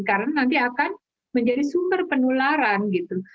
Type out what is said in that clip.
karena nanti akan menjadi sumber penularan gitu